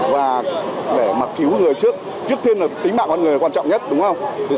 và để mà cứu người trước trước tiên là tính mạng con người là quan trọng nhất đúng không